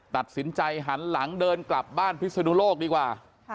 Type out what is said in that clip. ตัดสินใจหันหลังเดินกลับบ้านพิศนุโลกดีกว่า